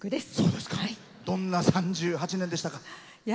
どんな３８年でしたか？